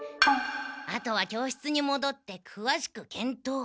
あとは教室にもどってくわしく検討。